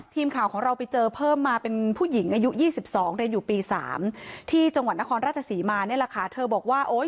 ทีมข่าวของเราไปเจอเพิ่มมาเป็นผู้หญิงอายุ๒๒เรียนอยู่ปี๓ที่จังหวัดนครราชศรีมานี่แหละค่ะเธอบอกว่าโอ๊ย